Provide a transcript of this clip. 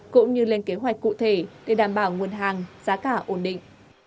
cũng như lên kế hoạch cụ thể để đảm bảo nguồn hàng giá cả ổn định